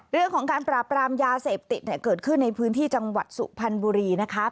เรื่องของการปราบรามยาเสพติดเนี่ยเกิดขึ้นในพื้นที่จังหวัดสุพรรณบุรีนะคะ